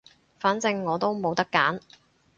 反正我都冇得揀